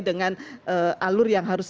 dengan alur yang harus